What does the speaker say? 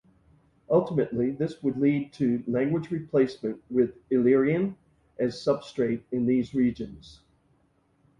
Ultimately this would lead to language replacement with Illyrian as substrate in these regions.